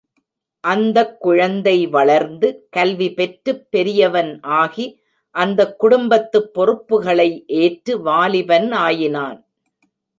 அந்தக் குழந்தை வளர்ந்து கல்வி பெற்றுப் பெரியவன் ஆகி அந்தக் குடும்பத்துப் பொறுப்புகளை ஏற்று வாலிபன் ஆயினான்.